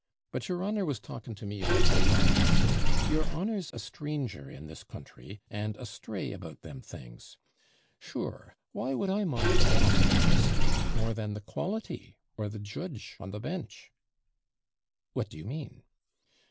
But your honour was talking to me about the laws. Your honour's a stranger in this country, and astray about them things. Sure, why would I mind the laws about whisky, more than the quality, or the judge on the bench?' 'What do you mean?'